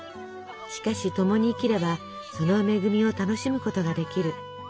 しかし共に生きればその恵みを楽しむことができる。